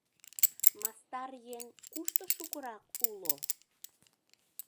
Мастар еҥ кушто шукырак уло?